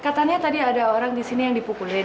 katanya tadi ada orang di sini yang dipukulin